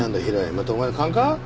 またお前の勘か？